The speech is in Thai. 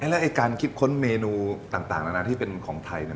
แล้วการคิดค้นเมนูต่างดังที่เป็นของไทย